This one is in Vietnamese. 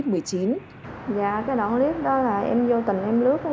dạ cái đoạn clip đó là em vô tầng em lướt